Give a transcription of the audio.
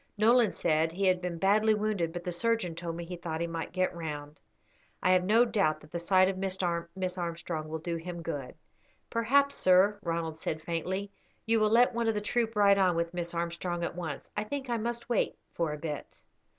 Nolan said he had been badly wounded, but the surgeon told me he thought he might get round. I have no doubt that the sight of Miss Armstrong will do him good." "Perhaps, sir," Ronald said, faintly, "you will let one of the troop ride on with Miss Armstrong at once. I think I must wait for a bit."